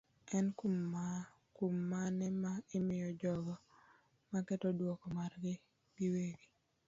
En kum mane ma imiyo jogo maketo duoko margi giwegi.